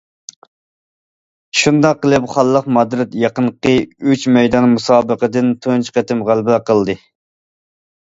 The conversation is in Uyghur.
شۇنداق قىلىپ خانلىق مادرىد يېقىنقى ئۈچ مەيدان مۇسابىقىدىن تۇنجى قېتىم غەلىبە قىلدى.